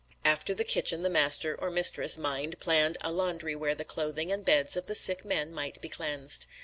After the kitchen the master or mistress mind planned a laundry where the clothing and beds of the sick men might be cleansed.